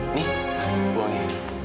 ini buang ya